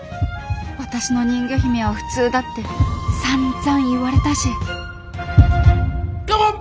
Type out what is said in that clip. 私の人魚姫は普通だってさんざん言われたしカモン！